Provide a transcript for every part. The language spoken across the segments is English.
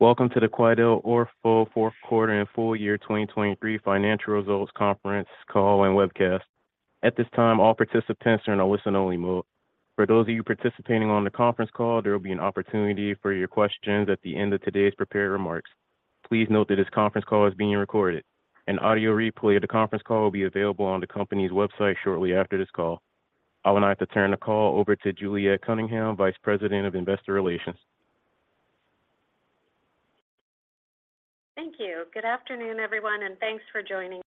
Welcome to the QuidelOrtho fourth quarter and full year 2023 financial results conference call and webcast. At this time, all participants are in a listen-only mode. For those of you participating on the conference call, there will be an opportunity for your questions at the end of today's prepared remarks. Please note that this conference call is being recorded. An audio replay of the conference call will be available on the company's website shortly after this call. I will now have to turn the call over to Juliet Cunningham, Vice President of Investor Relations. Thank you. Good afternoon, everyone, and thanks for joining the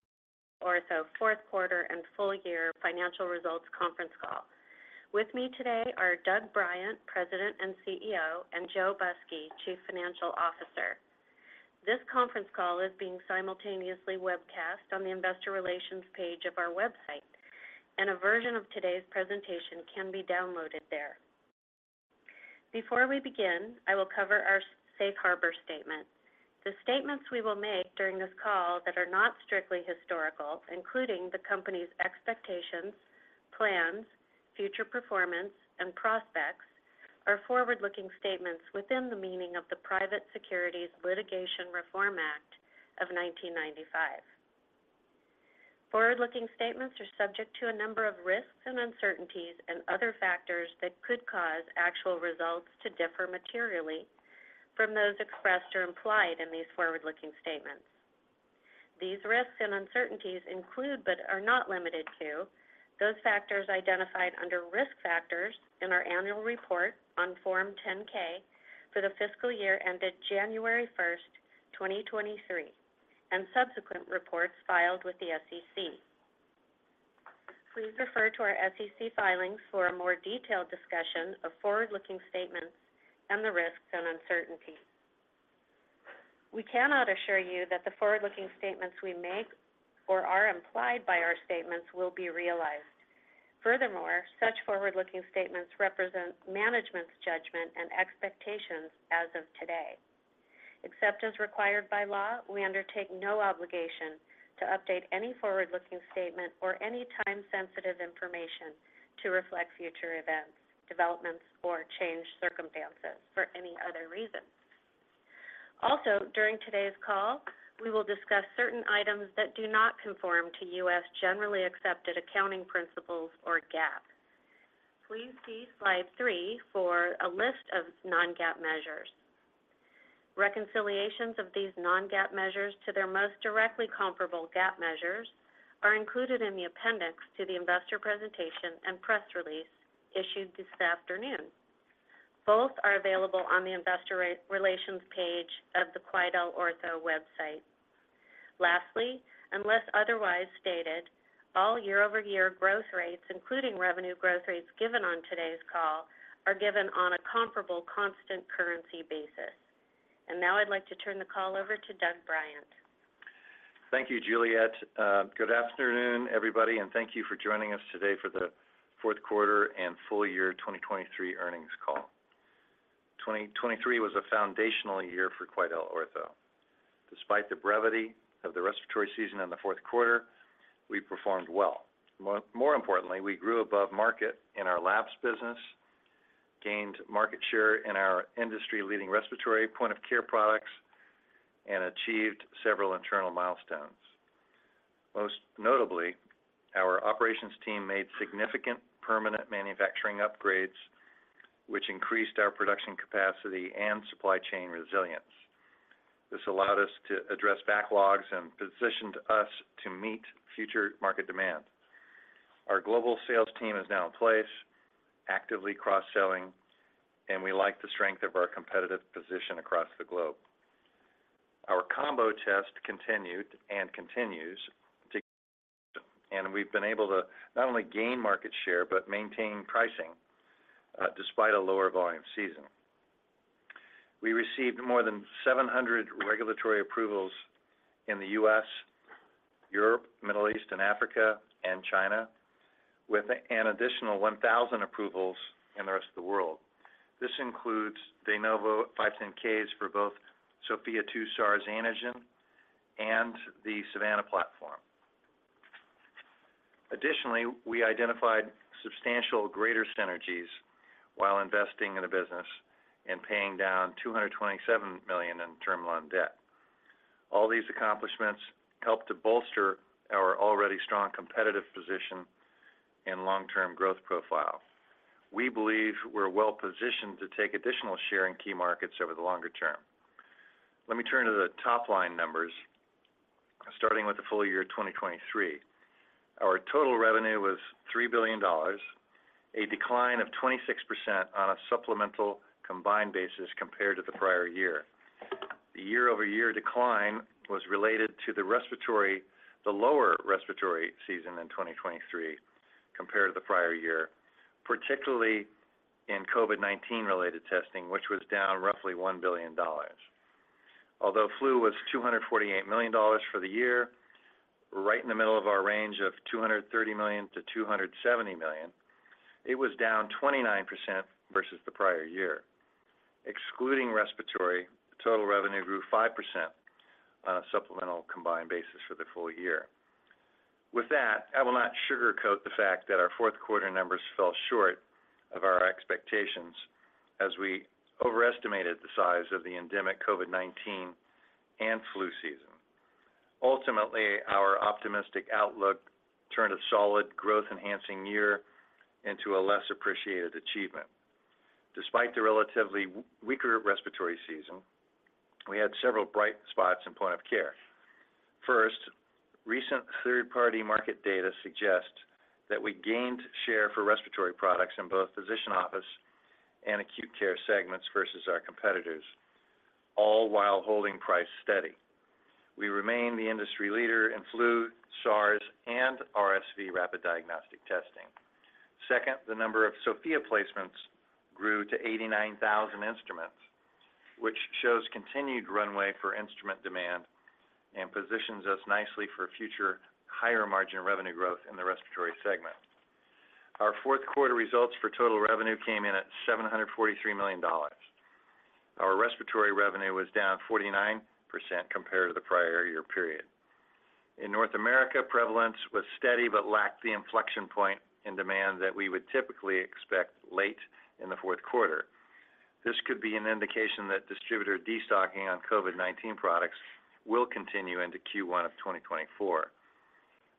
QuidelOrtho fourth quarter and full year financial results conference call. With me today are Doug Bryant, President and CEO, and Joe Busky, Chief Financial Officer. This conference call is being simultaneously webcast on the Investor Relations page of our website, and a version of today's presentation can be downloaded there. Before we begin, I will cover our Safe Harbor Statement. The statements we will make during this call that are not strictly historical, including the company's expectations, plans, future performance, and prospects, are forward-looking statements within the meaning of the Private Securities Litigation Reform Act of 1995. Forward-looking statements are subject to a number of risks and uncertainties and other factors that could cause actual results to differ materially from those expressed or implied in these forward-looking statements. These risks and uncertainties include but are not limited to those factors identified under risk factors in our annual report on Form 10-K for the fiscal year ended January 1st, 2023, and subsequent reports filed with the SEC. Please refer to our SEC filings for a more detailed discussion of forward-looking statements and the risks and uncertainties. We cannot assure you that the forward-looking statements we make or are implied by our statements will be realized. Furthermore, such forward-looking statements represent management's judgment and expectations as of today. Except as required by law, we undertake no obligation to update any forward-looking statement or any time-sensitive information to reflect future events, developments, or changed circumstances for any other reason. Also, during today's call, we will discuss certain items that do not conform to U.S. generally accepted accounting principles or GAAP. Please see slide three for a list of non-GAAP measures. Reconciliations of these non-GAAP measures to their most directly comparable GAAP measures are included in the appendix to the investor presentation and press release issued this afternoon. Both are available on the Investor Relations page of the QuidelOrtho website. Lastly, unless otherwise stated, all year-over-year growth rates, including revenue growth rates given on today's call, are given on a comparable constant currency basis. And now I'd like to turn the call over to Doug Bryant. Thank you, Juliet. Good afternoon, everybody, and thank you for joining us today for the fourth quarter and full year 2023 earnings call. 2023 was a foundational year for QuidelOrtho. Despite the brevity of the respiratory season in the fourth quarter, we performed well. More importantly, we grew above market in our labs business, gained market share in our industry-leading respiratory point-of-care products, and achieved several internal milestones. Most notably, our operations team made significant permanent manufacturing upgrades, which increased our production capacity and supply chain resilience. This allowed us to address backlogs and positioned us to meet future market demand. Our global sales team is now in place, actively cross-selling, and we like the strength of our competitive position across the globe. Our combo test continued and continues to, and we've been able to not only gain market share but maintain pricing despite a lower volume season. We received more than 700 regulatory approvals in the U.S., Europe, Middle East, and Africa, and China, with an additional 1,000 approvals in the rest of the world. This includes De Novo 510(k)s for both Sofia 2 SARS Antigen and the Savanna platform. Additionally, we identified substantially greater synergies while investing in the business and paying down $227 million in term loan debt. All these accomplishments helped to bolster our already strong competitive position and long-term growth profile. We believe we're well positioned to take additional share in key markets over the longer term. Let me turn to the top-line numbers, starting with the full year 2023. Our total revenue was $3 billion, a decline of 26% on a supplemental combined basis compared to the prior year. The year-over-year decline was related to the lower respiratory season in 2023 compared to the prior year, particularly in COVID-19-related testing, which was down roughly $1 billion. Although flu was $248 million for the year, right in the middle of our range of $230 million-$270 million, it was down 29% versus the prior year. Excluding respiratory, total revenue grew 5% on a supplemental combined basis for the full year. With that, I will not sugarcoat the fact that our fourth quarter numbers fell short of our expectations as we overestimated the size of the endemic COVID-19 and flu season. Ultimately, our optimistic outlook turned a solid growth-enhancing year into a less appreciated achievement. Despite the relatively weaker respiratory season, we had several bright spots in point of care. First, recent third-party market data suggests that we gained share for respiratory products in both physician office and acute care segments versus our competitors, all while holding price steady. We remain the industry leader in flu, SARS, and RSV rapid diagnostic testing. Second, the number of Sofia placements grew to 89,000 instruments, which shows continued runway for instrument demand and positions us nicely for future higher margin revenue growth in the respiratory segment. Our fourth quarter results for total revenue came in at $743 million. Our respiratory revenue was down 49% compared to the prior year period. In North America, prevalence was steady but lacked the inflection point in demand that we would typically expect late in the fourth quarter. This could be an indication that distributor destocking on COVID-19 products will continue into Q1 of 2024.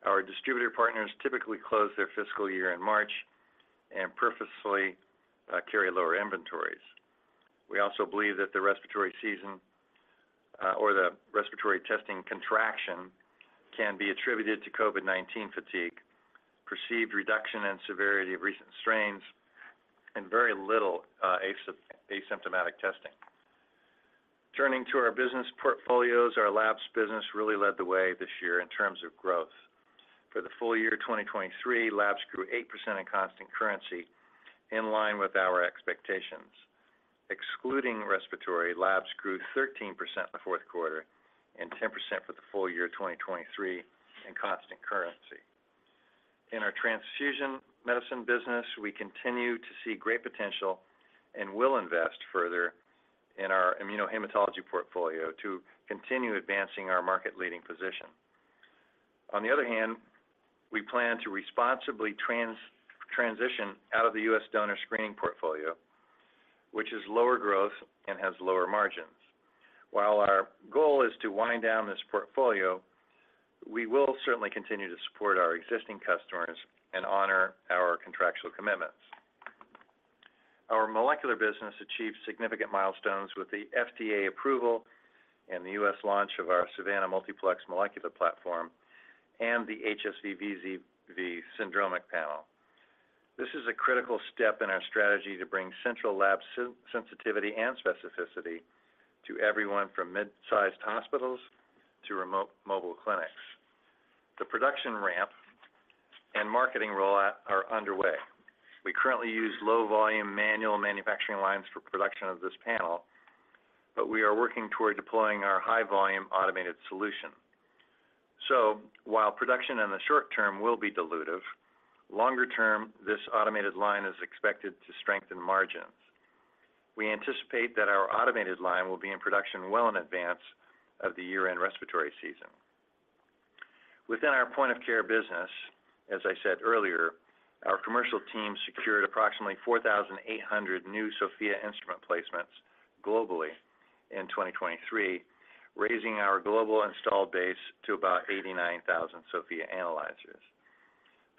Our distributor partners typically close their fiscal year in March and purposely carry lower inventories. We also believe that the respiratory season or the respiratory testing contraction can be attributed to COVID-19 fatigue, perceived reduction in severity of recent strains, and very little asymptomatic testing. Turning to our business portfolios, our labs business really led the way this year in terms of growth. For the full year 2023, labs grew 8% in constant currency in line with our expectations. Excluding respiratory, labs grew 13% in the fourth quarter and 10% for the full year 2023 in constant currency. In our transfusion medicine business, we continue to see great potential and will invest further in our immunohematology portfolio to continue advancing our market-leading position. On the other hand, we plan to responsibly transition out of the U.S. donor screening portfolio, which is lower growth and has lower margins. While our goal is to wind down this portfolio, we will certainly continue to support our existing customers and honor our contractual commitments. Our molecular business achieved significant milestones with the FDA approval and the U.S. launch of our Savanna Multiplex Molecular Platform and the HSV/VZV syndromic panel. This is a critical step in our strategy to bring central lab sensitivity and specificity to everyone from midsized hospitals to remote mobile clinics. The production ramp and marketing rollout are underway. We currently use low-volume manual manufacturing lines for production of this panel, but we are working toward deploying our high-volume automated solution. So while production in the short term will be dilutive, longer term, this automated line is expected to strengthen margins. We anticipate that our automated line will be in production well in advance of the year-end respiratory season. Within our point-of-care business, as I said earlier, our commercial team secured approximately 4,800 new Sofia instrument placements globally in 2023, raising our global installed base to about 89,000 Sofia analyzers.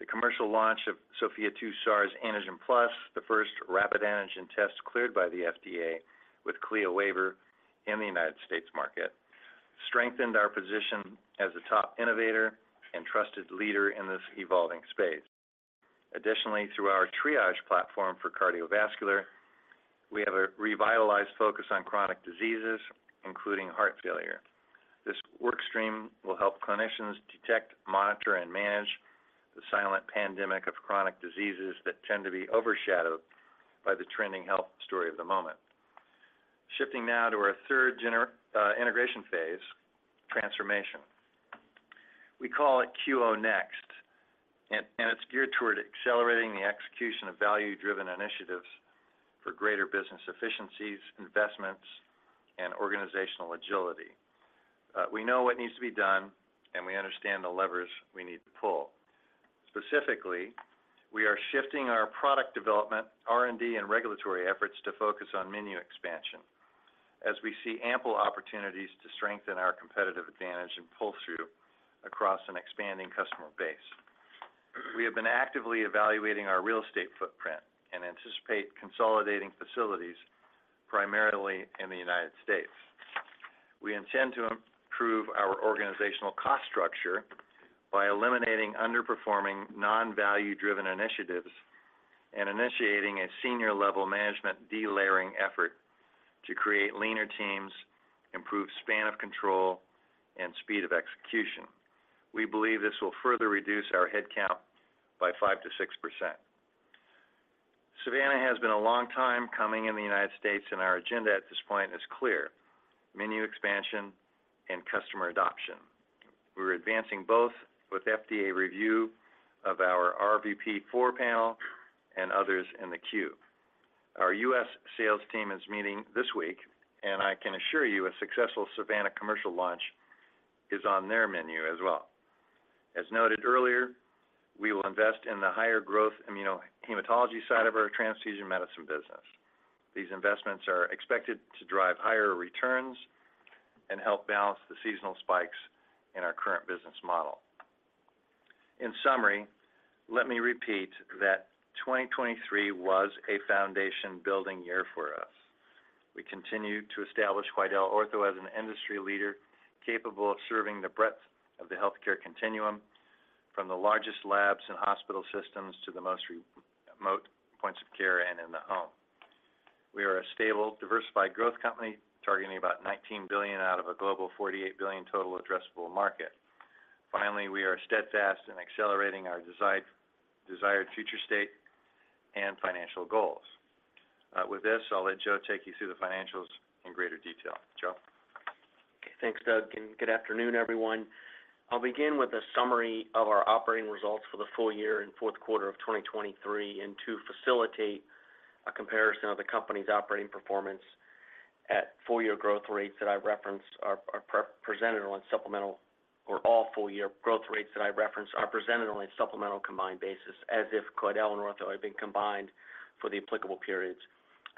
The commercial launch of Sofia 2 SARS Antigen Plus, the first rapid antigen test cleared by the FDA with CLIA waiver in the United States market, strengthened our position as a top innovator and trusted leader in this evolving space. Additionally, through our Triage platform for cardiovascular, we have a revitalized focus on chronic diseases, including heart failure. This workstream will help clinicians detect, monitor, and manage the silent pandemic of chronic diseases that tend to be overshadowed by the trending health story of the moment. Shifting now to our third integration phase, transformation. We call it QO Next, and it's geared toward accelerating the execution of value-driven initiatives for greater business efficiencies, investments, and organizational agility. We know what needs to be done, and we understand the levers we need to pull. Specifically, we are shifting our product development, R&D, and regulatory efforts to focus on menu expansion as we see ample opportunities to strengthen our competitive advantage and pull through across an expanding customer base. We have been actively evaluating our real estate footprint and anticipate consolidating facilities primarily in the United States. We intend to improve our organizational cost structure by eliminating underperforming non-value-driven initiatives and initiating a senior-level management delayering effort to create leaner teams, improve span of control, and speed of execution. We believe this will further reduce our headcount by 5%-6%. Savanna has been a long time coming in the United States, and our agenda at this point is clear: menu expansion and customer adoption. We're advancing both with FDA review of our RVP4 panel and others in the queue. Our U.S. sales team is meeting this week, and I can assure you a successful Savanna commercial launch is on their menu as well. As noted earlier, we will invest in the higher growth immunohematology side of our transfusion medicine business. These investments are expected to drive higher returns and help balance the seasonal spikes in our current business model. In summary, let me repeat that 2023 was a foundation-building year for us. We continue to establish QuidelOrtho as an industry leader capable of serving the breadth of the healthcare continuum, from the largest labs and hospital systems to the most remote points of care and in the home. We are a stable, diversified growth company targeting about $19 billion out of a global $48 billion total addressable market. Finally, we are steadfast in accelerating our desired future state and financial goals. With this, I'll let Joe take you through the financials in greater detail. Joe. Okay. Thanks, Doug, and good afternoon, everyone. I'll begin with a summary of our operating results for the full year and fourth quarter of 2023 and to facilitate a comparison of the company's operating performance at full-year growth rates that I referenced are presented on a supplemental or all full-year growth rates that I referenced are presented on a supplemental combined basis as if QuidelOrtho had been combined for the applicable periods.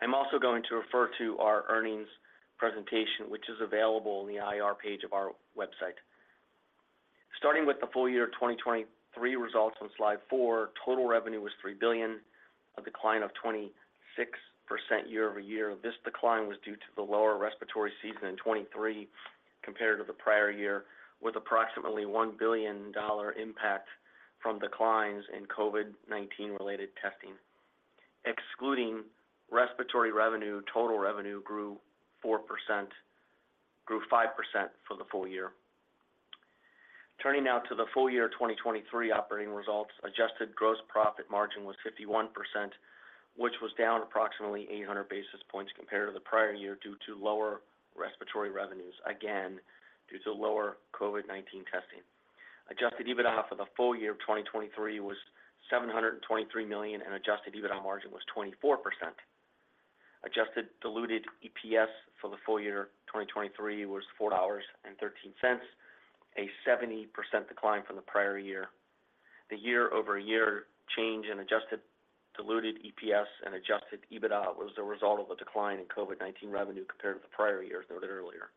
I'm also going to refer to our earnings presentation, which is available in the IR page of our website. Starting with the full year 2023 results on slide four, total revenue was $3 billion, a decline of 26% year-over-year. This decline was due to the lower respiratory season in 2023 compared to the prior year, with approximately $1 billion impact from declines in COVID-19-related testing. Excluding respiratory revenue, total revenue grew 4%, grew 5% for the full year. Turning now to the full year 2023 operating results, adjusted gross profit margin was 51%, which was down approximately 800 basis points compared to the prior year due to lower respiratory revenues, again due to lower COVID-19 testing. Adjusted EBITDA for the full year 2023 was $723 million, and adjusted EBITDA margin was 24%. Adjusted diluted EPS for the full year 2023 was $4.13, a 70% decline from the prior year. The year-over-year change in adjusted diluted EPS and adjusted EBITDA was a result of a decline in COVID-19 revenue compared to the prior year as noted earlier,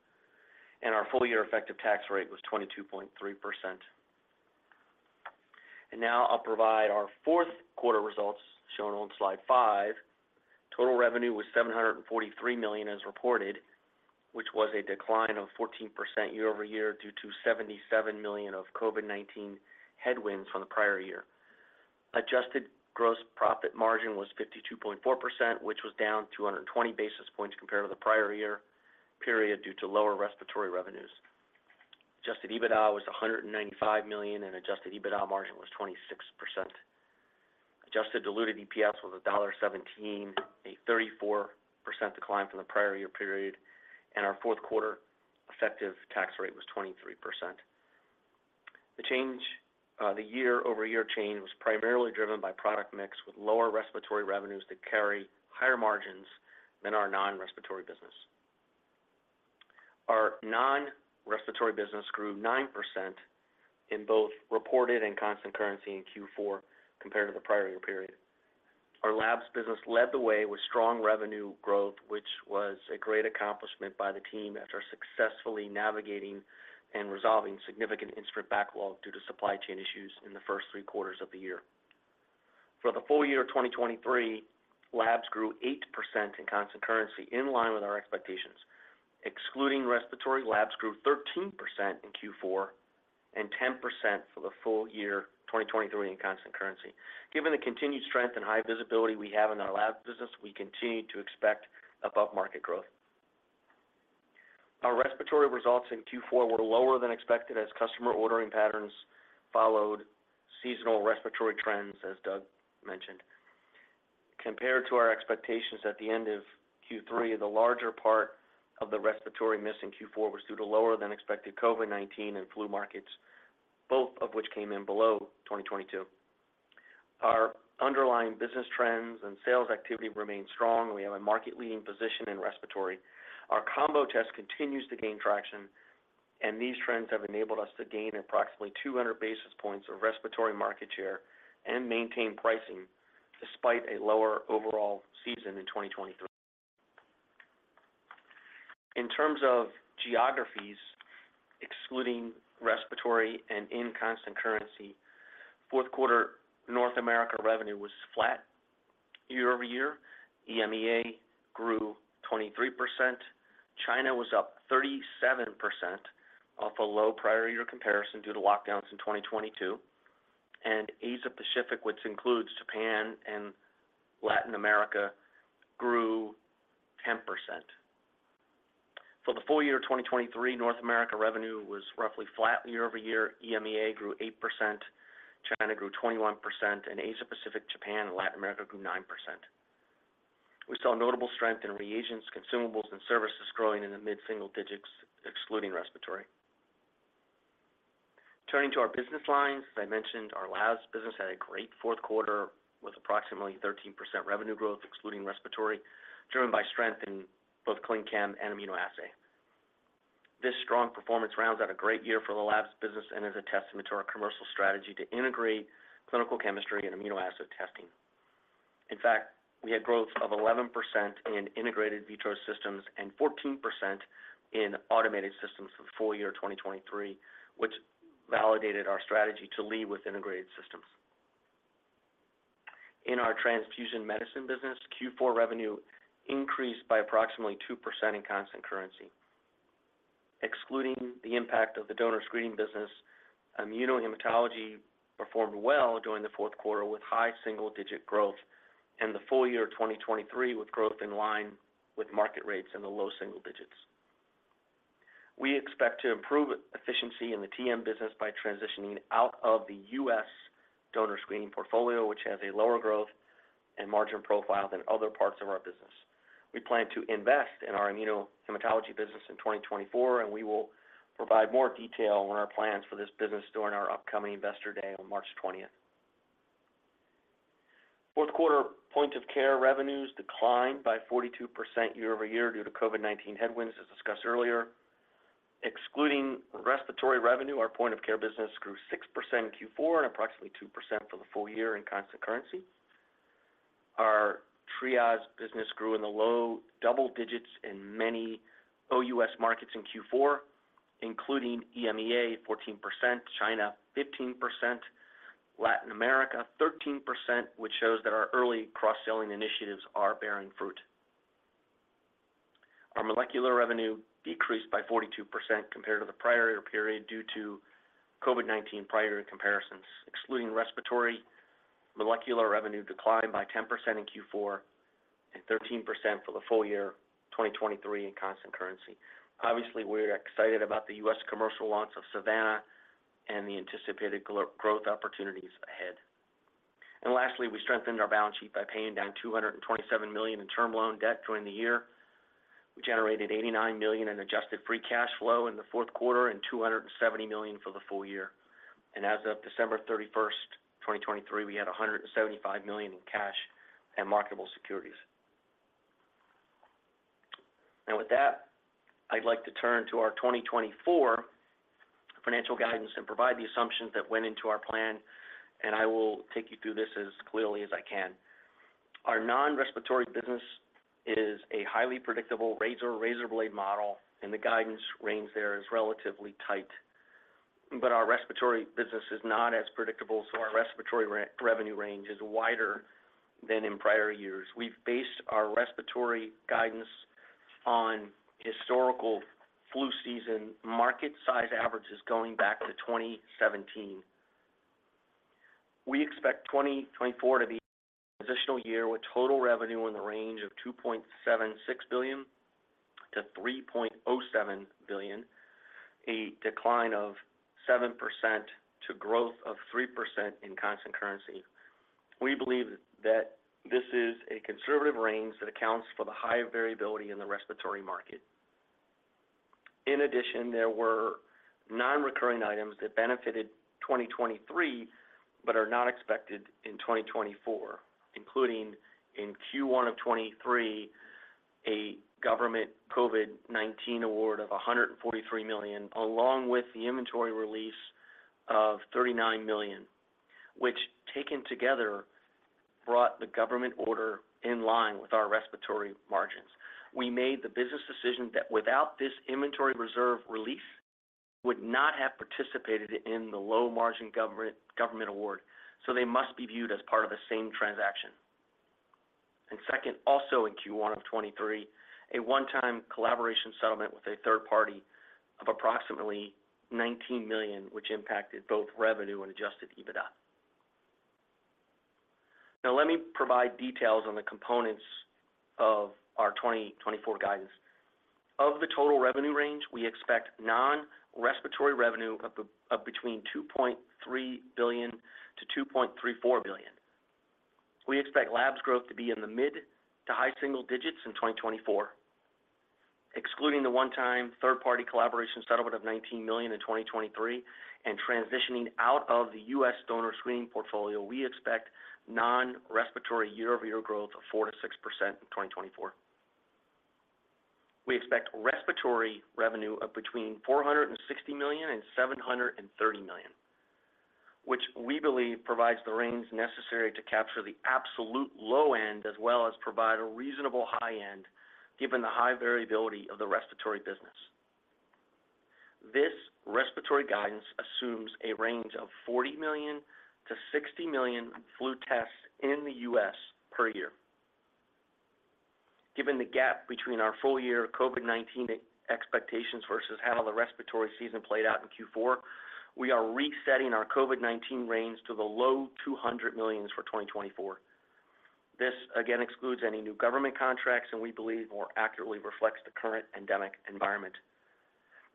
and our full-year effective tax rate was 22.3%. Now I'll provide our fourth quarter results shown on slide five. Total revenue was $743 million as reported, which was a decline of 14% year-over-year due to $77 million of COVID-19 headwinds from the prior year. Adjusted gross profit margin was 52.4%, which was down 220 basis points compared to the prior year period due to lower respiratory revenues. Adjusted EBITDA was $195 million, and adjusted EBITDA margin was 26%. Adjusted diluted EPS was $1.17, a 34% decline from the prior year period, and our fourth quarter effective tax rate was 23%. The year-over-year change was primarily driven by product mix with lower respiratory revenues that carry higher margins than our non-respiratory business. Our non-respiratory business grew 9% in both reported and constant currency in Q4 compared to the prior year period. Our labs business led the way with strong revenue growth, which was a great accomplishment by the team after successfully navigating and resolving significant instrument backlog due to supply chain issues in the first three quarters of the year. For the full year 2023, labs grew 8% in constant currency in line with our expectations. Excluding respiratory, labs grew 13% in Q4 and 10% for the full year 2023 in constant currency. Given the continued strength and high visibility we have in our labs business, we continue to expect above-market growth. Our respiratory results in Q4 were lower than expected as customer ordering patterns followed seasonal respiratory trends, as Doug mentioned. Compared to our expectations at the end of Q3, the larger part of the respiratory miss in Q4 was due to lower-than-expected COVID-19 and flu markets, both of which came in below 2022. Our underlying business trends and sales activity remain strong. We have a market-leading position in respiratory. Our combo test continues to gain traction, and these trends have enabled us to gain approximately 200 basis points of respiratory market share and maintain pricing despite a lower overall season in 2023. In terms of geographies, excluding respiratory and in constant currency, fourth quarter North America revenue was flat year-over-year. EMEA grew 23%. China was up 37% off a low prior year comparison due to lockdowns in 2022, and Asia-Pacific, which includes Japan and Latin America, grew 10%. For the full year 2023, North America revenue was roughly flat year-over-year. EMEA grew 8%. China grew 21%, and Asia-Pacific, Japan, and Latin America grew 9%. We saw notable strength in reagents, consumables, and services growing in the mid-single digits, excluding respiratory. Turning to our business lines, as I mentioned, our labs business had a great fourth quarter with approximately 13% revenue growth, excluding respiratory, driven by strength in both clin chem and immunoassay. This strong performance rounds out a great year for the labs business and is a testament to our commercial strategy to integrate clinical chemistry and immunoassay testing. In fact, we had growth of 11% in integrated VITROS systems and 14% in automated systems for the full year 2023, which validated our strategy to lead with integrated systems. In our transfusion medicine business, Q4 revenue increased by approximately 2% in constant currency. Excluding the impact of the donor screening business, immunohematology performed well during the fourth quarter with high single-digit growth and the full year 2023 with growth in line with market rates in the low single digits. We expect to improve efficiency in the TM business by transitioning out of the U.S. donor screening portfolio, which has a lower growth and margin profile than other parts of our business. We plan to invest in our immunohematology business in 2024, and we will provide more detail on our plans for this business during our upcoming Investor Day on March 20th. Fourth quarter point-of-care revenues declined by 42% year-over-year due to COVID-19 headwinds, as discussed earlier. Excluding respiratory revenue, our point-of-care business grew 6% in Q4 and approximately 2% for the full year in constant currency. Our Triage business grew in the low double digits in many OUS markets in Q4, including EMEA 14%, China 15%, Latin America 13%, which shows that our early cross-selling initiatives are bearing fruit. Our molecular revenue decreased by 42% compared to the prior year period due to COVID-19 prior year comparisons, excluding respiratory. Molecular revenue declined by 10% in Q4 and 13% for the full year 2023 in constant currency. Obviously, we're excited about the U.S. commercial launch of Savanna and the anticipated growth opportunities ahead. And lastly, we strengthened our balance sheet by paying down $227 million in term loan debt during the year. We generated $89 million in adjusted free cash flow in the fourth quarter and $270 million for the full year. And as of December 31st, 2023, we had $175 million in cash and marketable securities. Now, with that, I'd like to turn to our 2024 financial guidance and provide the assumptions that went into our plan, and I will take you through this as clearly as I can. Our non-respiratory business is a highly predictable razor-razor blade model, and the guidance range there is relatively tight. But our respiratory business is not as predictable, so our respiratory revenue range is wider than in prior years. We've based our respiratory guidance on historical flu season market-size averages going back to 2017. We expect 2024 to be a transitional year with total revenue in the range of $2.76 billion-$3.07 billion, a decline of 7% to growth of 3% in constant currency. We believe that this is a conservative range that accounts for the high variability in the respiratory market. In addition, there were non-recurring items that benefited 2023 but are not expected in 2024, including in Q1 of 2023, a government COVID-19 award of $143 million, along with the inventory release of $39 million, which taken together brought the government order in line with our respiratory margins. We made the business decision that without this inventory reserve release, we would not have participated in the low-margin government award, so they must be viewed as part of the same transaction. And second, also in Q1 of 2023, a one-time collaboration settlement with a third party of approximately $19 million, which impacted both revenue and Adjusted EBITDA. Now, let me provide details on the components of our 2024 guidance. Of the total revenue range, we expect non-respiratory revenue of between $2.3 billion-$2.34 billion. We expect labs growth to be in the mid to high single digits in 2024. Excluding the one-time third-party collaboration settlement of $19 million in 2023 and transitioning out of the U.S. donor screening portfolio, we expect non-respiratory year-over-year growth of 4%-6% in 2024. We expect respiratory revenue of between $460 million and $730 million, which we believe provides the range necessary to capture the absolute low end as well as provide a reasonable high end given the high variability of the respiratory business. This respiratory guidance assumes a range of 40 million-60 million flu tests in the U.S. per year. Given the gap between our full year COVID-19 expectations versus how the respiratory season played out in Q4, we are resetting our COVID-19 range to the low $200 million for 2024. This, again, excludes any new government contracts, and we believe more accurately reflects the current endemic environment.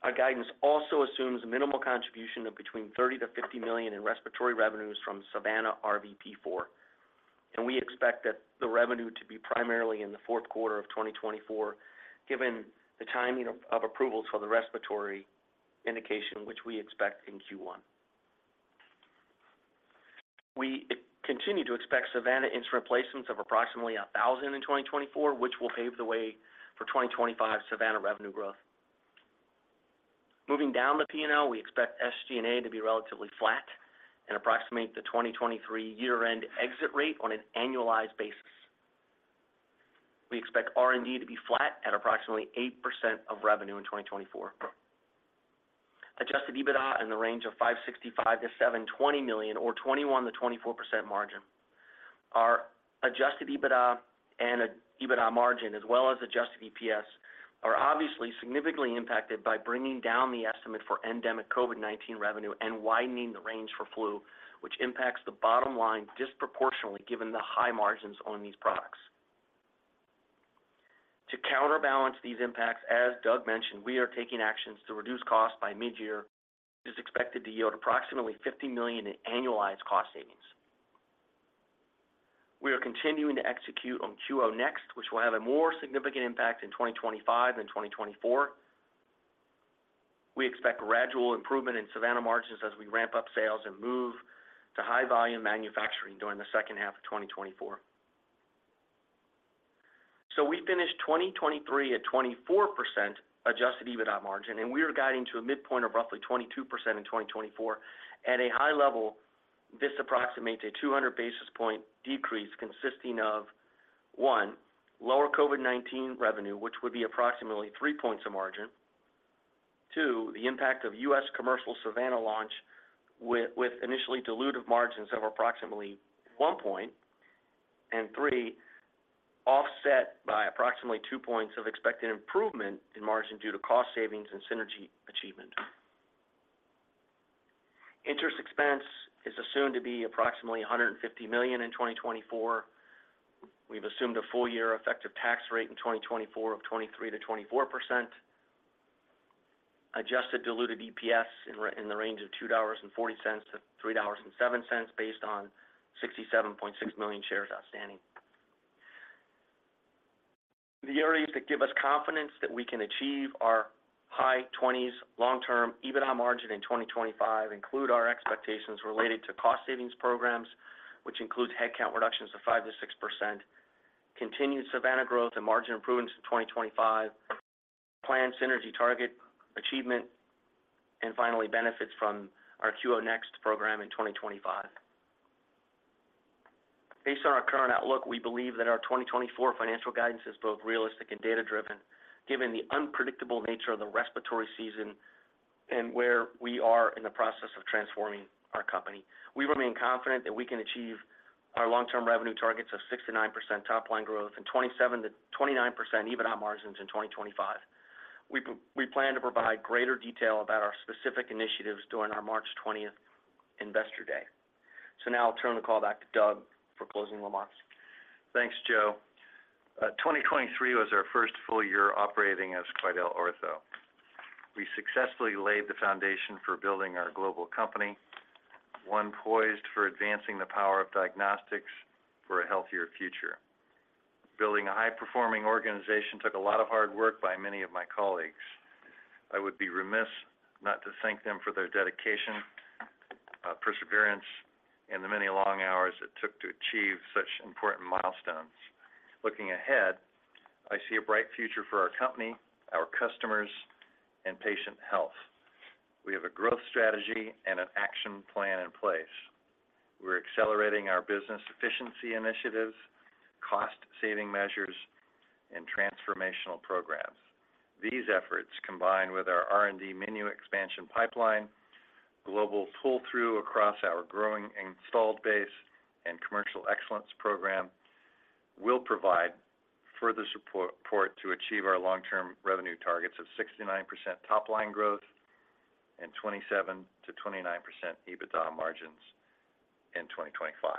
Our guidance also assumes a minimal contribution of between $30 million-$50 million in respiratory revenues from Savanna RVP4, and we expect that the revenue to be primarily in the fourth quarter of 2024 given the timing of approvals for the respiratory indication, which we expect in Q1. We continue to expect Savanna instrument placements of approximately 1,000 in 2024, which will pave the way for 2025 Savanna revenue growth. Moving down the P&L, we expect SG&A to be relatively flat and approximate the 2023 year-end exit rate on an annualized basis. We expect R&D to be flat at approximately 8% of revenue in 2024, adjusted EBITDA in the range of $565 million-$720 million or 21%-24% margin. Our adjusted EBITDA and EBITDA margin, as well as adjusted EPS, are obviously significantly impacted by bringing down the estimate for endemic COVID-19 revenue and widening the range for flu, which impacts the bottom line disproportionately given the high margins on these products. To counterbalance these impacts, as Doug mentioned, we are taking actions to reduce costs by mid-year, which is expected to yield approximately 50 million in annualized cost savings. We are continuing to execute on QO Next, which will have a more significant impact in 2025 than 2024. We expect gradual improvement in Savanna margins as we ramp up sales and move to high-volume manufacturing during the second half of 2024. We finished 2023 at 24% adjusted EBITDA margin, and we are guiding to a midpoint of roughly 22% in 2024. At a high level, this approximates a 200 basis point decrease consisting of, one, lower COVID-19 revenue, which would be approximately three points of margin, two, the impact of U.S. commercial Savanna launch with initially dilutive margins of approximately 1 point, and three, offset by approximately two points of expected improvement in margin due to cost savings and synergy achievement. Interest expense is assumed to be approximately $150 million in 2024. We've assumed a full-year effective tax rate in 2024 of 23%-24%, adjusted diluted EPS in the range of $2.40-$3.07 based on 67.6 million shares outstanding. The areas that give us confidence that we can achieve our high 20s long-term EBITDA margin in 2025 include our expectations related to cost savings programs, which includes headcount reductions of 5%-6%, continued Savanna growth and margin improvements in 2025, planned synergy target achievement, and finally benefits from our QO Next program in 2025. Based on our current outlook, we believe that our 2024 financial guidance is both realistic and data-driven given the unpredictable nature of the respiratory season and where we are in the process of transforming our company. We remain confident that we can achieve our long-term revenue targets of 6%-9% top-line growth and 27%-29% EBITDA margins in 2025. We plan to provide greater detail about our specific initiatives during our March 20th Investor Day. So now I'll turn the call back to Doug for closing remarks. Thanks, Joe. 2023 was our first full year operating as QuidelOrtho. We successfully laid the foundation for building our global company, one poised for advancing the power of diagnostics for a healthier future. Building a high-performing organization took a lot of hard work by many of my colleagues. I would be remiss not to thank them for their dedication, perseverance, and the many long hours it took to achieve such important milestones. Looking ahead, I see a bright future for our company, our customers, and patient health. We have a growth strategy and an action plan in place. We're accelerating our business efficiency initiatives, cost-saving measures, and transformational programs. These efforts, combined with our R&D menu expansion pipeline, global pull-through across our growing installed base, and commercial excellence program, will provide further support to achieve our long-term revenue targets of 6%-9% top-line growth and 27%-29% EBITDA margins in 2025.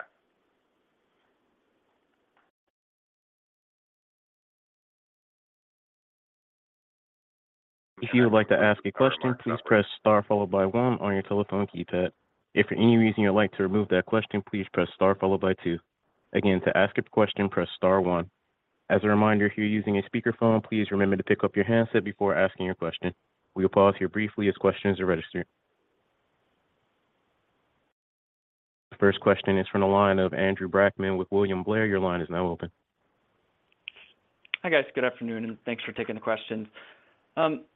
If you would like to ask a question, please press star followed by one on your telephone keypad. If for any reason you would like to remove that question, please press star followed by two. Again, to ask a question, press star one. As a reminder, if you're using a speakerphone, please remember to pick up your handset before asking your question. We will pause here briefly as questions are registered. The first question is from the line of Andrew Brackman with William Blair. Your line is now open. Hi guys. Good afternoon, and thanks for taking the questions.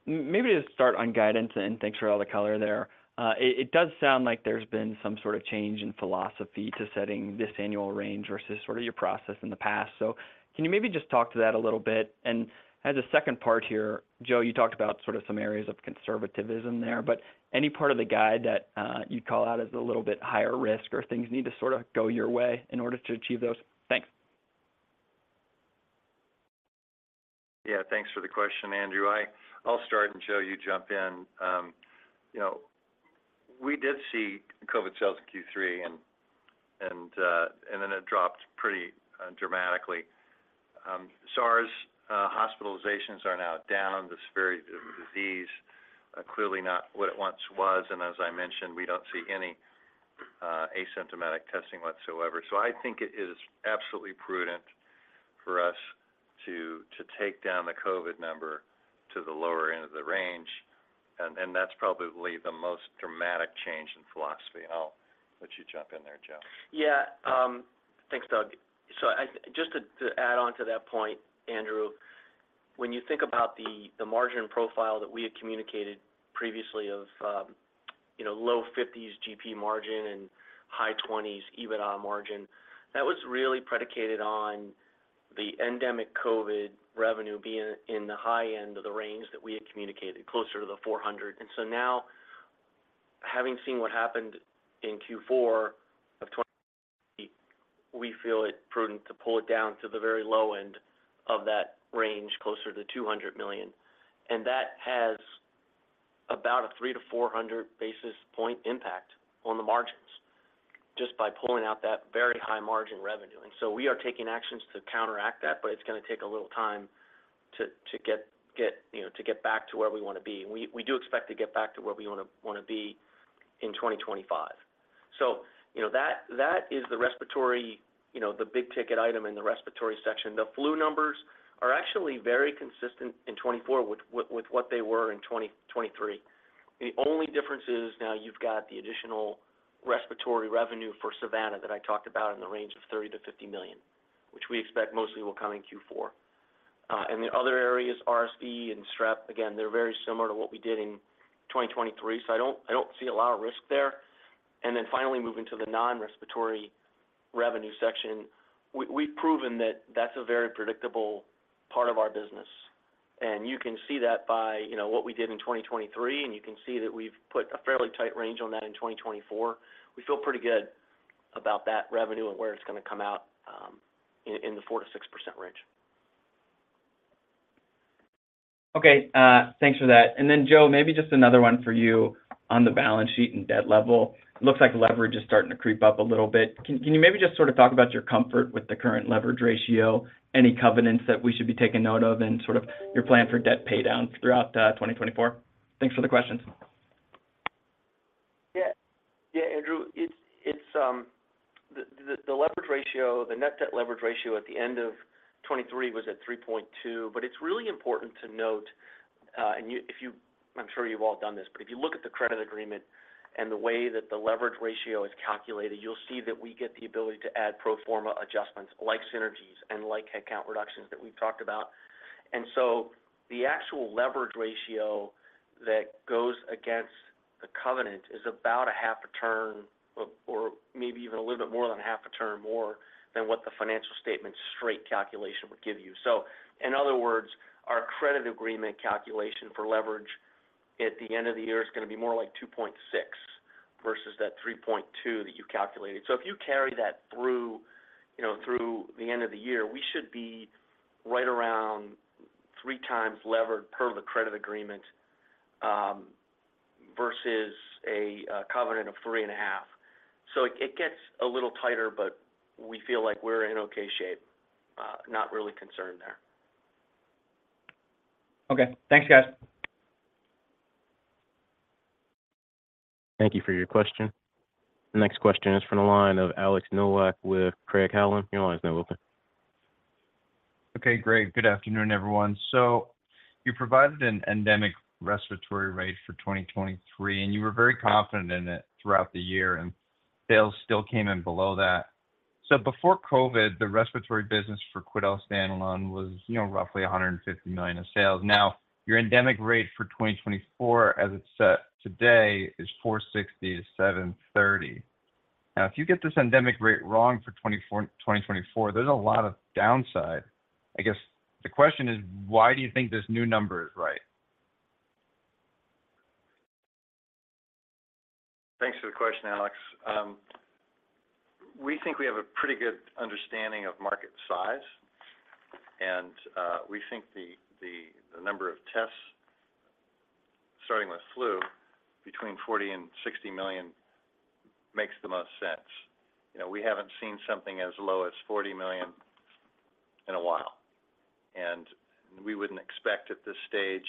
Maybe to start on guidance and thanks for all the color there. It does sound like there's been some sort of change in philosophy to setting this annual range versus sort of your process in the past. So can you maybe just talk to that a little bit? As a second part here, Joe, you talked about sort of some areas of conservatism there, but any part of the guide that you'd call out as a little bit higher risk or things need to sort of go your way in order to achieve those? Thanks. Yeah. Thanks for the question, Andrew. I'll start and Joe, you jump in. We did see COVID sales in Q3, and then it dropped pretty dramatically. SARS hospitalizations are now down. The severity of the disease is clearly not what it once was. And as I mentioned, we don't see any asymptomatic testing whatsoever. So I think it is absolutely prudent for us to take down the COVID number to the lower end of the range. And that's probably the most dramatic change in philosophy. And I'll let you jump in there, Joe. Yeah. Thanks, Doug. So just to add on to that point, Andrew, when you think about the margin profile that we had communicated previously of low 50s GP margin and high 20s EBITDA margin, that was really predicated on the endemic COVID revenue being in the high end of the range that we had communicated, closer to the $400 million. And so now, having seen what happened in Q4 of 2023, we feel it prudent to pull it down to the very low end of that range, closer to the $200 million. And that has about a 300-400 basis point impact on the margins just by pulling out that very high margin revenue. And so we are taking actions to counteract that, but it's going to take a little time to get back to where we want to be. We do expect to get back to where we want to be in 2025. So that is the respiratory the big-ticket item in the respiratory section. The flu numbers are actually very consistent in 2024 with what they were in 2023. The only difference is now you've got the additional respiratory revenue for Savanna that I talked about in the range of $30 million-$50 million, which we expect mostly will come in Q4. And the other areas, RSV and strep, again, they're very similar to what we did in 2023, so I don't see a lot of risk there. And then finally, moving to the non-respiratory revenue section, we've proven that that's a very predictable part of our business. And you can see that by what we did in 2023, and you can see that we've put a fairly tight range on that in 2024. We feel pretty good about that revenue and where it's going to come out in the 4%-6% range. Okay. Thanks for that. And then, Joe, maybe just another one for you on the balance sheet and debt level. It looks like leverage is starting to creep up a little bit. Can you maybe just sort of talk about your comfort with the current leverage ratio, any covenants that we should be taking note of, and sort of your plan for debt paydown throughout 2024? Thanks for the questions. Yeah. Yeah, Andrew. The leverage ratio, the net debt leverage ratio at the end of 2023 was at 3.2, but it's really important to note and I'm sure you've all done this, but if you look at the credit agreement and the way that the leverage ratio is calculated, you'll see that we get the ability to add pro forma adjustments like synergies and like headcount reductions that we've talked about. And so the actual leverage ratio that goes against the covenant is about a half a turn or maybe even a little bit more than a half a turn more than what the financial statement straight calculation would give you. So in other words, our credit agreement calculation for leverage at the end of the year is going to be more like 2.6 versus that 3.2 that you calculated. So if you carry that through the end of the year, we should be right around 3x levered per the credit agreement versus a covenant of 3.5. So it gets a little tighter, but we feel like we're in okay shape, not really concerned there. Okay. Thanks, guys. Thank you for your question. The next question is from the line of Alex Nowak with Craig-Hallum. Your line is now open. Okay. Great. Good afternoon, everyone. So you provided an endemic respiratory rate for 2023, and you were very confident in it throughout the year, and sales still came in below that. So before COVID, the respiratory business for Quidel Standalone was roughly $150 million of sales. Now, your endemic rate for 2024, as it's set today, is $460 million-$730 million. Now, if you get this endemic rate wrong for 2024, there's a lot of downside. I guess the question is, why do you think this new number is right? Thanks for the question, Alex. We think we have a pretty good understanding of market size, and we think the number of tests, starting with flu, between 40 and 60 million makes the most sense. We haven't seen something as low as 40 million in a while, and we wouldn't expect at this stage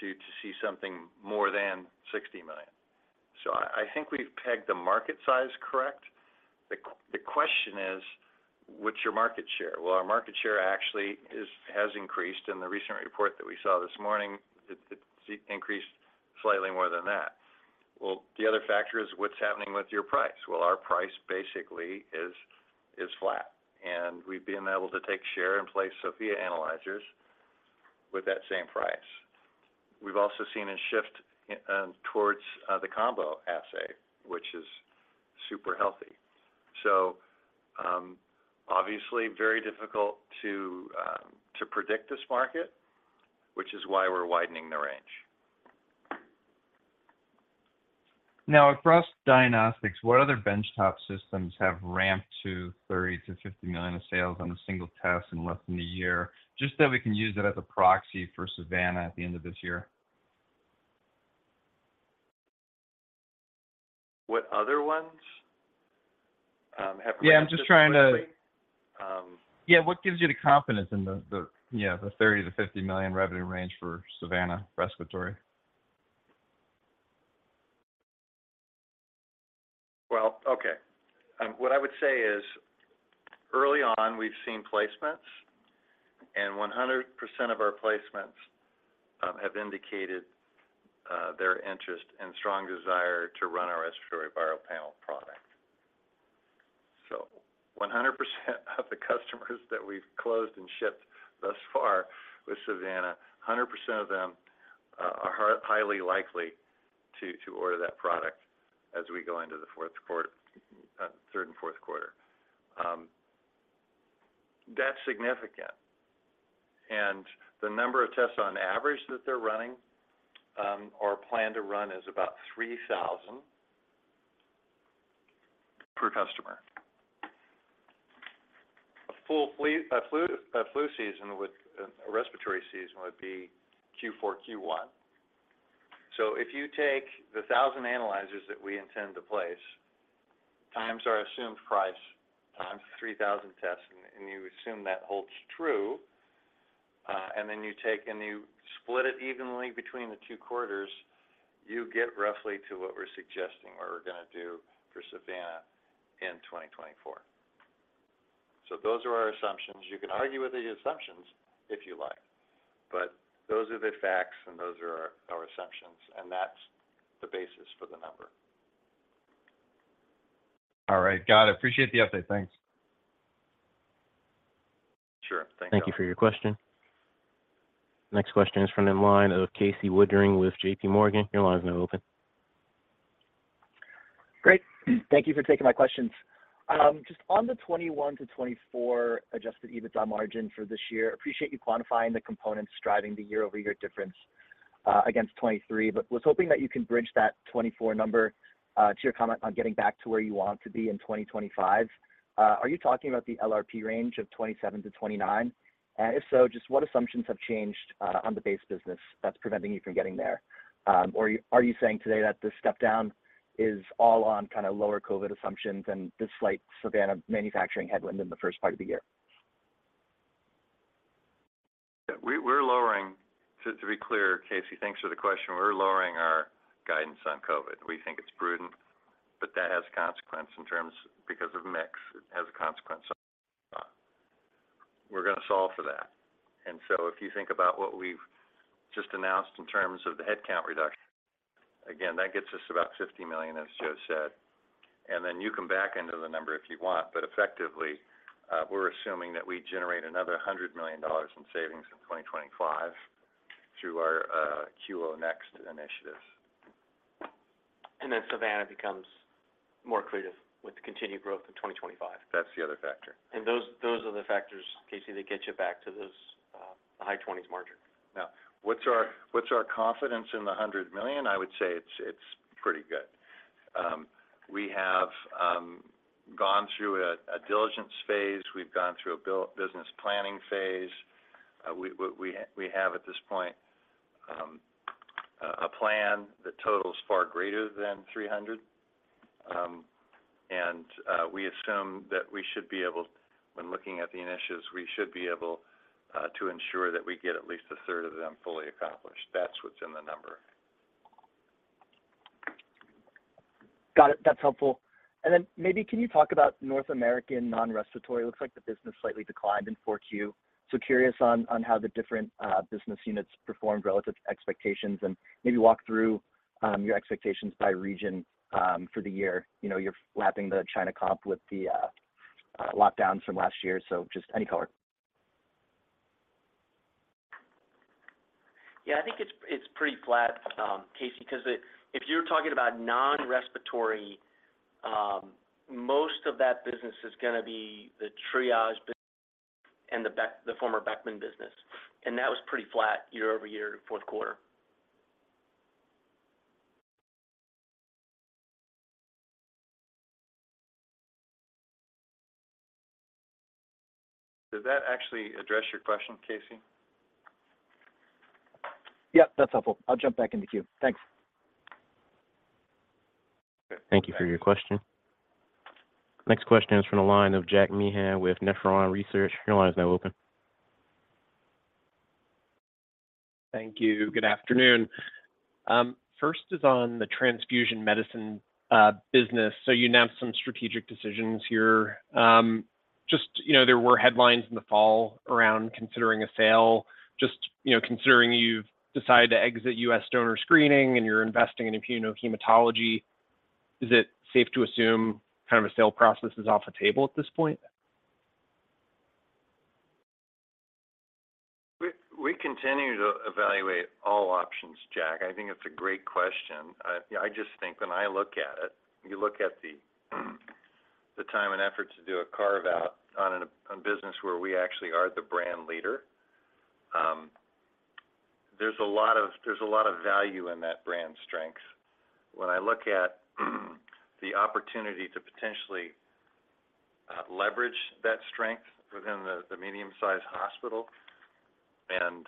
to see something more than 60 million. So I think we've pegged the market size correct. The question is, what's your market share? Well, our market share actually has increased, and the recent report that we saw this morning, it increased slightly more than that. Well, the other factor is what's happening with your price. Well, our price basically is flat, and we've been able to take share and place Sofia analyzers with that same price. We've also seen a shift towards the combo assay, which is super healthy. So obviously, very difficult to predict this market, which is why we're widening the range. Now, across diagnostics, what other benchtop systems have ramped to $30 million-$50 million of sales on a single test in less than a year, just that we can use it as a proxy for Savanna at the end of this year? What other ones? Have you got specifically? Yeah. I'm just trying to yeah. What gives you the confidence in the $30 million-$50 million revenue range for Savanna respiratory? Well, okay. What I would say is, early on, we've seen placements, and 100% of our placements have indicated their interest and strong desire to run our respiratory viral panel product. So 100% of the customers that we've closed and shipped thus far with Savanna, 100% of them are highly likely to order that product as we go into the third and fourth quarter. That's significant. And the number of tests on average that they're running or plan to run is about 3,000 per customer. A flu season, a respiratory season, would be Q4, Q1. So if you take the 1,000 analyzers that we intend to place times our assumed price times the 3,000 tests, and you assume that holds true, and then you take and you split it evenly between the two quarters, you get roughly to what we're suggesting what we're going to do for Savanna in 2024. So those are our assumptions. You can argue with the assumptions if you like, but those are the facts, and those are our assumptions, and that's the basis for the number. All right. Got it. Appreciate the update. Thanks. Sure. Thanks, Doug. Thank you for your question. Next question is from the line of Casey Woodring with JPMorgan. Your line is now open. Great. Thank you for taking my questions. Just on the 2021 to 2024 adjusted EBITDA margin for this year, appreciate you quantifying the components driving the year-over-year difference against 2023, but was hoping that you can bridge that 2024 number to your comment on getting back to where you want to be in 2025. Are you talking about the LRP range of 27%-29%? And if so, just what assumptions have changed on the base business that's preventing you from getting there? Or are you saying today that this stepdown is all on kind of lower COVID assumptions and this slight Savanna manufacturing headwind in the first part of the year? Yeah. To be clear, Casey, thanks for the question. We're lowering our guidance on COVID. We think it's prudent, but that has consequences in terms because of mix. It has a consequence on; we're going to solve for that. And so if you think about what we've just announced in terms of the headcount reduction, again, that gets us about 50 million, as Joe said. And then you can back into the number if you want, but effectively, we're assuming that we generate another $100 million in savings in 2025 through our QO Next initiatives. And then Savanna becomes more accretive with the continued growth in 2025. That's the other factor. And those are the factors, Casey, that get you back to the high-20s margin. Now, what's our confidence in the $100 million? I would say it's pretty good. We have gone through a diligence phase. We've gone through a business planning phase. We have, at this point, a plan that totals far greater than 300, and we assume that we should be able when looking at the initiatives, we should be able to ensure that we get at least a third of them fully accomplished. That's what's in the number. Got it. That's helpful. And then maybe can you talk about North American non-respiratory? It looks like the business slightly declined in 4Q. So curious on how the different business units performed relative to expectations and maybe walk through your expectations by region for the year. You're lapping the China comp with the lockdowns from last year, so just any color. Yeah. I think it's pretty flat, Casey, because if you're talking about non-respiratory, most of that business is going to be the Triage and the former Beckman business. And that was pretty flat year-over-year fourth quarter. Does that actually address your question, Casey? Yep. That's helpful. I'll jump back into Q. Thanks. Okay. Thank you for your question. Next question is from the line of Jack Meehan with Nephron Research. Your line is now open. Thank you. Good afternoon. First is on the transfusion medicine business. So you announced some strategic decisions here. Just there were headlines in the fall around considering a sale. Just considering you've decided to exit U.S. donor screening and you're investing in immunohematology, is it safe to assume kind of a sale process is off the table at this point? We continue to evaluate all options, Jack. I think it's a great question. I just think when I look at it, you look at the time and effort to do a carve-out on a business where we actually are the brand leader, there's a lot of value in that brand strength. When I look at the opportunity to potentially leverage that strength within the medium-sized hospital and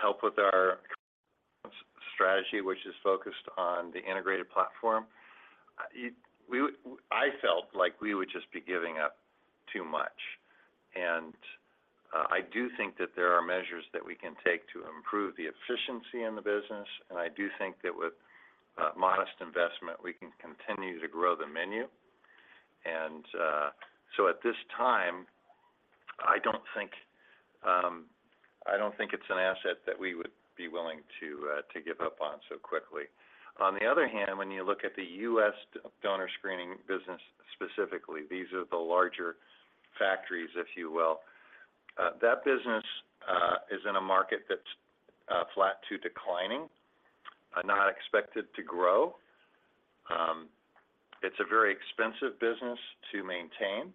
help with our strategy, which is focused on the integrated platform, I felt like we would just be giving up too much. I do think that there are measures that we can take to improve the efficiency in the business, and I do think that with modest investment, we can continue to grow the menu. So at this time, I don't think it's an asset that we would be willing to give up on so quickly. On the other hand, when you look at the U.S. donor screening business specifically, these are the larger factories, if you will. That business is in a market that's flat to declining, not expected to grow. It's a very expensive business to maintain.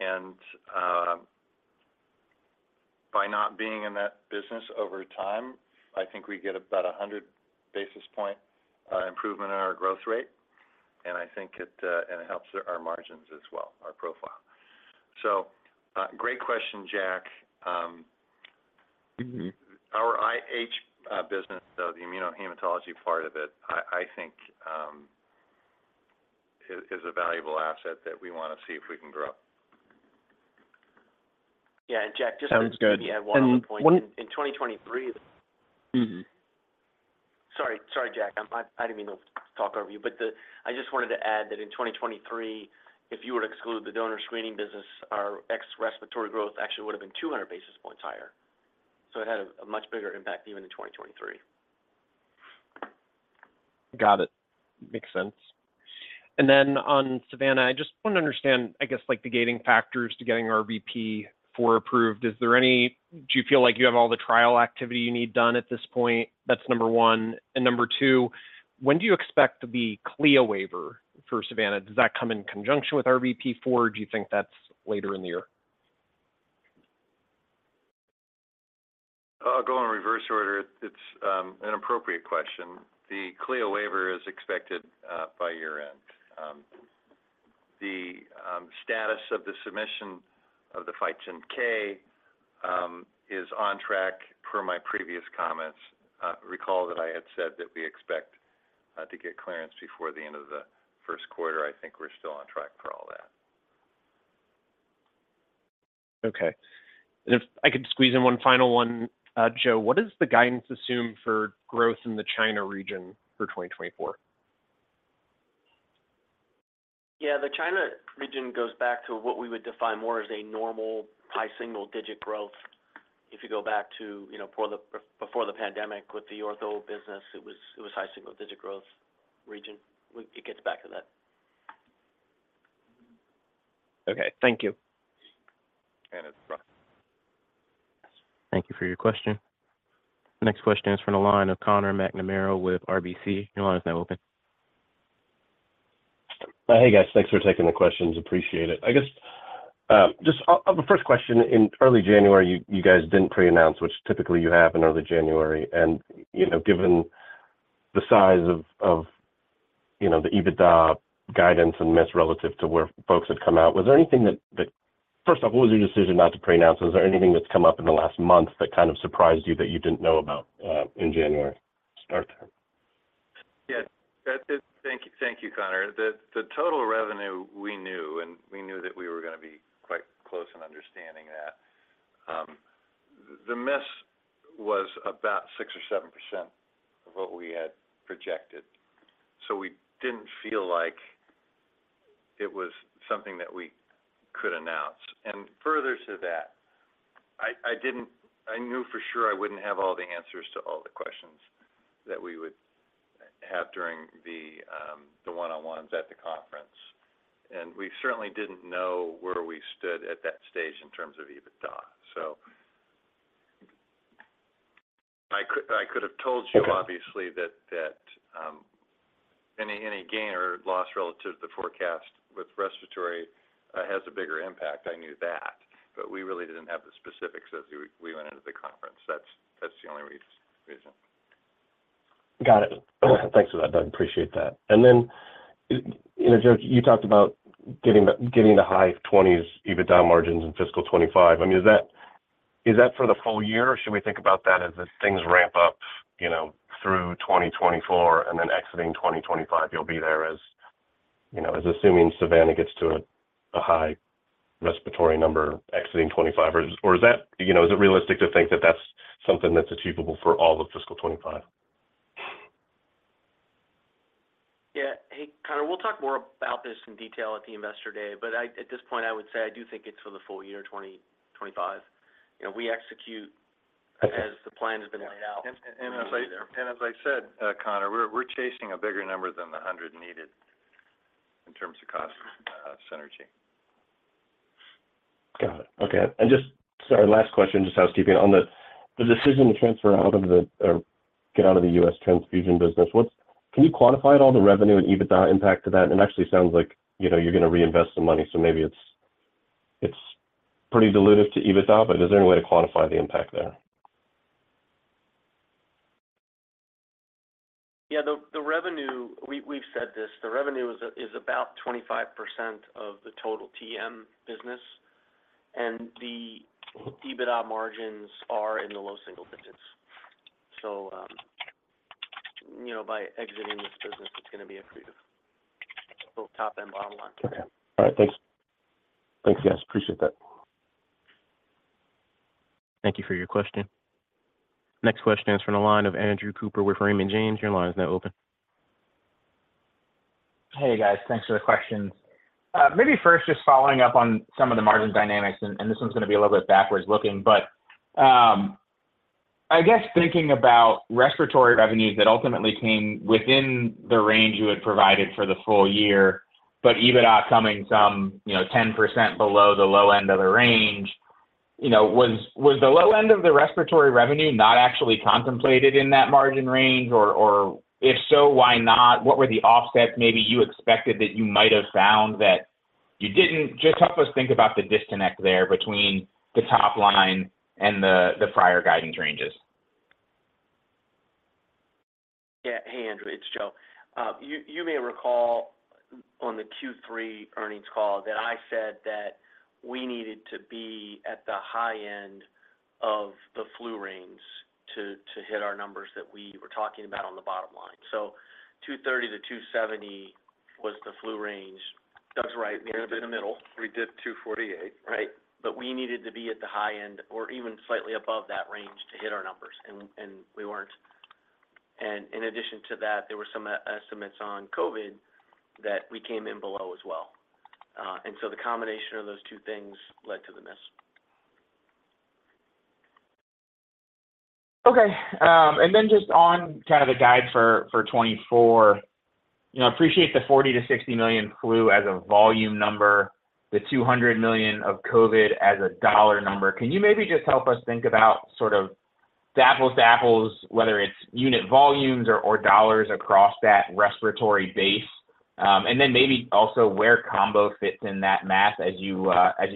And by not being in that business over time, I think we get about 100 basis point improvement in our growth rate, and I think it helps our margins as well, our profile. So great question, Jack. Our IH business, though, the Immunohematology part of it, I think is a valuable asset that we want to see if we can grow up. Yeah. And Jack, just to give you one other point. In 2023, sorry, Jack. I didn't mean to talk over you, but I just wanted to add that in 2023, if you were to exclude the Donor Screening business, our ex-respiratory growth actually would have been 200 basis points higher. So it had a much bigger impact even in 2023. Got it. Makes sense. And then on Savanna, I just want to understand, I guess, the gating factors to getting RVP4 approved. Do you feel like you have all the trial activity you need done at this point? That's number one. And number two, when do you expect the CLIA waiver for Savanna? Does that come in conjunction with RVP4? Do you think that's later in the year? Going in reverse order, it's an appropriate question. The CLIA waiver is expected by year-end. The status of the submission of the 510(k) is on track per my previous comments. Recall that I had said that we expect to get clearance before the end of the first quarter. I think we're still on track for all that. Okay. And if I could squeeze in one final one, Joe, what does the guidance assume for growth in the China region for 2024? Yeah. The China region goes back to what we would define more as a normal high single-digit growth. If you go back to before the pandemic with the Ortho business, it was high single-digit growth region. It gets back to that. Okay. Thank you. And that's it. Thank you for your question. Next question is from the line of Connor McNamara with RBC. Your line is now open. Hey, guys. Thanks for taking the questions. Appreciate it. I guess just of a first question, in early January, you guys didn't pre-announce, which typically you have in early January. Given the size of the EBITDA guidance and miss relative to where folks had come out, was there anything that first off, what was your decision not to pre-announce? Is there anything that's come up in the last month that kind of surprised you that you didn't know about in January? Start there. Yeah. Thank you, Connor. The total revenue, we knew, and we knew that we were going to be quite close in understanding that. The miss was about 6% or 7% of what we had projected. So we didn't feel like it was something that we could announce. And further to that, I knew for sure I wouldn't have all the answers to all the questions that we would have during the one-on-ones at the conference. And we certainly didn't know where we stood at that stage in terms of EBITDA. So I could have told you, obviously, that any gain or loss relative to the forecast with respiratory has a bigger impact. I knew that, but we really didn't have the specifics as we went into the conference. That's the only reason. Got it. Thanks for that, Doug. Appreciate that. And then, Joe, you talked about getting the high 20s EBITDA margins in fiscal 2025. I mean, is that for the full year, or should we think about that as things ramp up through 2024 and then exiting 2025, you'll be there as assuming Savanna gets to a high respiratory number exiting 2025? Or is it realistic to think that that's something that's achievable for all of fiscal 2025? Yeah. Hey, Connor, we'll talk more about this in detail at the Investor Day, but at this point, I would say I do think it's for the full year of 2025. We execute as the plan has been laid out. And as I said, Connor, we're chasing a bigger number than the 100 needed in terms of cost synergy. Got it. Okay. And just sorry, last question, just housekeeping. On the decision to transfer out of the get out of the U.S. transfusion business, can you quantify at all the revenue and EBITDA impact to that? And it actually sounds like you're going to reinvest some money, so maybe it's pretty dilutive to EBITDA, but is there any way to quantify the impact there? Yeah. We've said this. The revenue is about 25% of the total TM business, and the EBITDA margins are in the low single digits. So by exiting this business, it's going to be accretive, both top and bottom line. All right. Thanks. Thanks, guys. Appreciate that. Thank you for your question. Next question is from the line of Andrew Cooper with Raymond James. Your line is now open. Hey, guys. Thanks for the questions. Maybe first, just following up on some of the margin dynamics, and this one's going to be a little bit backwards-looking, but I guess thinking about respiratory revenues that ultimately came within the range you had provided for the full year, but EBITDA coming some 10% below the low end of the range, was the low end of the respiratory revenue not actually contemplated in that margin range? Or if so, why not? What were the offsets maybe you expected that you might have found that you didn't? Just help us think about the disconnect there between the top line and the prior guidance ranges. Yeah. Hey, Andrew. It's Joe. You may recall on the Q3 earnings call that I said that we needed to be at the high end of the flu range to hit our numbers that we were talking about on the bottom line. So 230-270 was the flu range. Doug's right. We ended up in the middle. We did 248, right? But we needed to be at the high end or even slightly above that range to hit our numbers, and we weren't. And in addition to that, there were some estimates on COVID that we came in below as well. And so the combination of those two things led to the miss. Okay. And then just on kind of the guide for 2024, I appreciate the 40-60 million flu as a volume number, the $200 million of COVID as a dollar number. Can you maybe just help us think about sort of apples to apples, whether it's unit volumes or dollars across that respiratory base, and then maybe also where combo fits in that math as you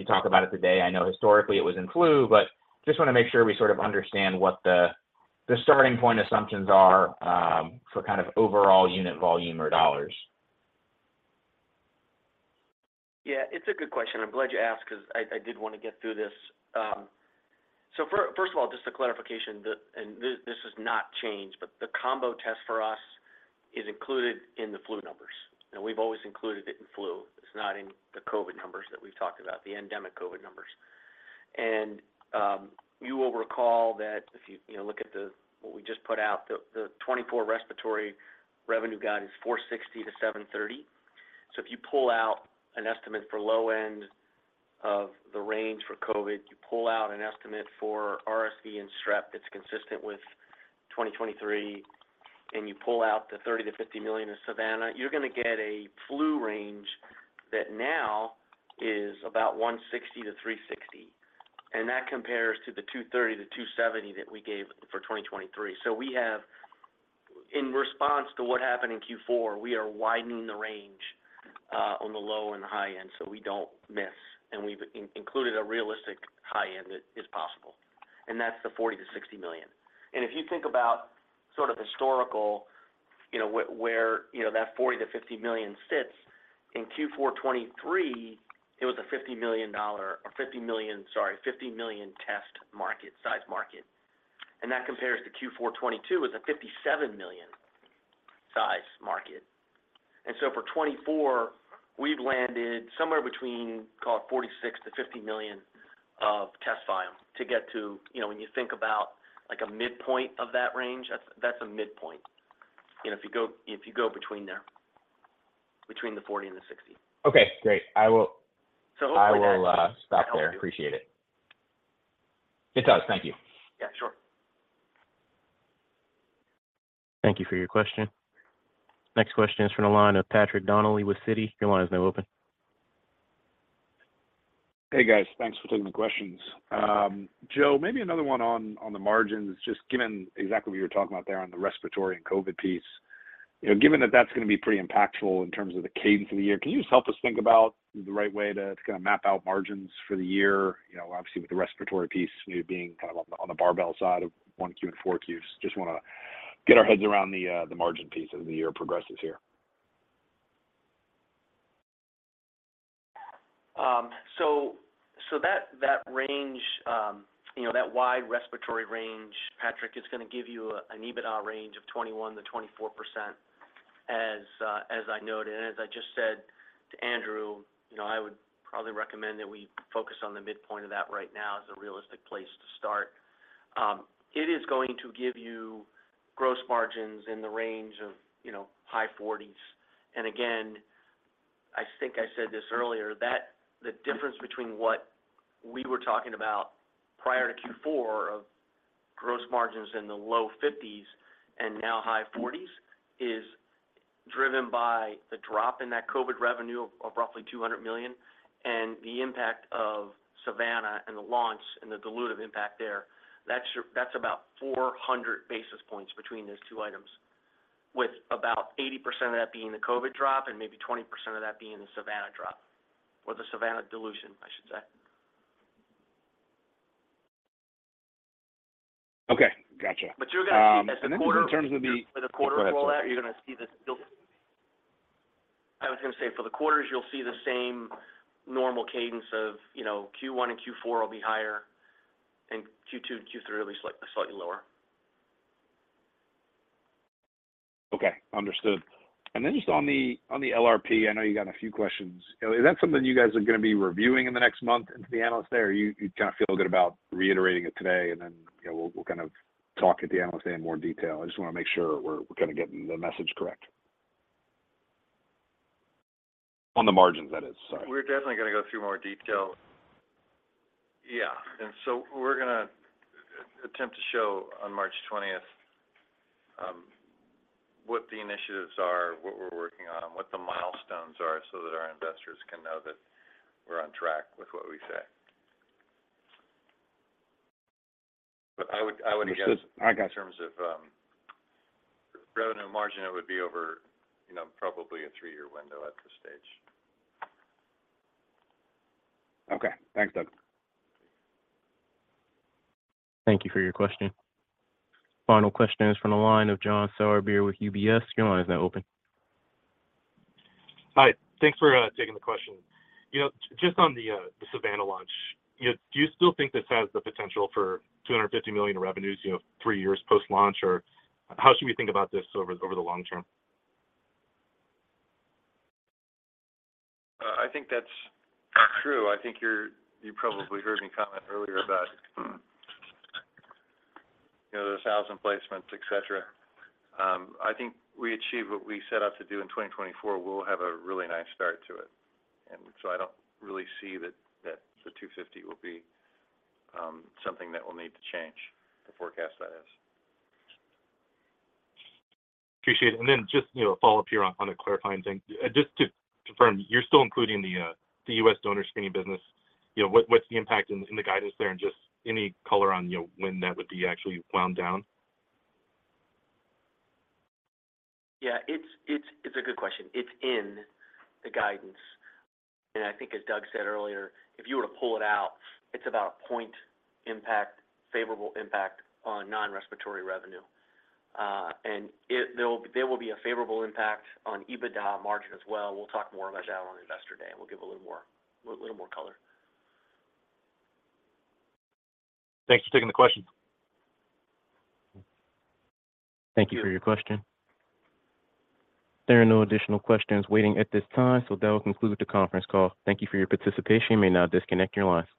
talk about it today? I know historically, it was in flu, but just want to make sure we sort of understand what the starting point assumptions are for kind of overall unit volume or dollars. Yeah. It's a good question. I'm glad you asked because I did want to get through this. So first of all, just a clarification, and this has not changed, but the combo test for us is included in the flu numbers. And we've always included it in flu. It's not in the COVID numbers that we've talked about, the endemic COVID numbers. And you will recall that if you look at what we just put out, the 2024 respiratory revenue guide is $460 million-$730 million. So if you pull out an estimate for low end of the range for COVID, you pull out an estimate for RSV and strep that's consistent with 2023, and you pull out the $30 million-$50 million of Savanna, you're going to get a flu range that now is about $160 million-$360 million. And that compares to the $230 million-$270 million that we gave for 2023. So in response to what happened in Q4, we are widening the range on the low and the high end so we don't miss. And we've included a realistic high end that is possible, and that's the 40 million-60 million. And if you think about sort of historical where that 40-50 million sits, in Q4 2023, it was a $50 million or 50 million sorry, 50 million test market size market. And that compares to Q4 2022. It was a 57 million size market. And so for 2024, we've landed somewhere between, call it, 46-50 million of test volume to get to when you think about a midpoint of that range, that's a midpoint if you go between there, between the 40 and the 60. Okay. Great. I will. So hopefully, that helps. I will stop there. Appreciate it. It does. Thank you. Yeah. Sure. Thank you for your question. Next question is from the line of Patrick Donnelly with Citi. Your line is now open. Hey, guys. Thanks for taking the questions. Joe, maybe another one on the margins, just given exactly what you were talking about there on the respiratory and COVID piece, given that that's going to be pretty impactful in terms of the cadence of the year, can you just help us think about the right way to kind of map out margins for the year, obviously, with the respiratory piece maybe being kind of on the barbell side of 1Q and 4Qs? Just want to get our heads around the margin piece as the year progresses here. So that range, that wide respiratory range, Patrick, is going to give you an EBITDA range of 21%-24%, as I noted. And as I just said to Andrew, I would probably recommend that we focus on the midpoint of that right now as a realistic place to start. It is going to give you gross margins in the range of high 40s%. And again, I think I said this earlier, the difference between what we were talking about prior to Q4 of gross margins in the low 50s% and now high 40s% is driven by the drop in that COVID revenue of roughly $200 million and the impact of Savanna and the launch and the dilutive impact there. That's about 400 basis points between those two items, with about 80% of that being the COVID drop and maybe 20% of that being the Savanna drop or the Savanna dilution, I should say. Okay. Gotcha. But you're going to see as the quarter. And then in terms of the. For the quarter as well. You're going to see. I was going to say for the quarters, you'll see the same normal cadence of Q1 and Q4 will be higher, and Q2 and Q3 will be slightly lower. Okay. Understood. And then just on the LRP, I know you got a few questions. Is that something you guys are going to be reviewing in the next month into the Analyst Day, or you kind of feel good about reiterating it today, and then we'll kind of talk at the Analyst Day in more detail? I just want to make sure we're kind of getting the message correct. On the margins, that is. Sorry. We're definitely going to go through more detail. Yeah. So we're going to attempt to show on March 20th what the initiatives are, what we're working on, what the milestones are so that our investors can know that we're on track with what we say. But I would guess in terms of revenue margin, it would be over probably a three-year window at this stage. Okay. Thanks, Doug. Thank you for your question. Final question is from the line of John Sourbeer with UBS. Your line is now open. Hi. Thanks for taking the question. Just on the Savanna launch, do you still think this has the potential for $250 million in revenues three years post-launch, or how should we think about this over the long term? I think that's true. I think you probably heard me comment earlier about the 1,000 placements, etc. I think we achieve what we set out to do in 2024. We'll have a really nice start to it. And so I don't really see that the 250 will be something that will need to change, the forecast, that is. Appreciate it. And then just a follow-up here on a clarifying thing. Just to confirm, you're still including the U.S. Donor Screening business. What's the impact in the guidance there and just any color on when that would be actually wound down? Yeah. It's a good question. It's in the guidance. And I think, as Doug said earlier, if you were to pull it out, it's about a point impact, favorable impact on non-respiratory revenue. And there will be a favorable impact on EBITDA margin as well. We'll talk more about that on Investor Day, and we'll give a little more color. Thanks for taking the question. Thank you for your question. There are no additional questions waiting at this time, so that will conclude the conference call. Thank you for your participation. You may now disconnect your lines.